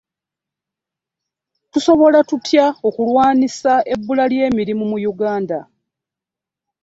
Tusobola tutya okulwanisa ebbula lye mirimu mu Uganda?